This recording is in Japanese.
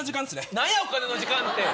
何やお金の時間って。